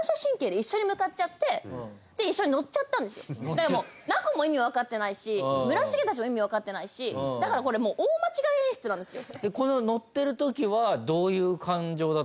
だから奈子も意味わかってないし村重たちも意味わかってないしだからこれもう大間違い演出なんですよ。